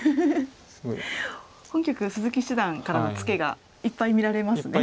本局鈴木七段からはツケがいっぱい見られますね。